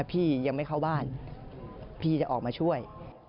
พี่ยังไม่เข้าบ้านพี่จะออกมาช่วย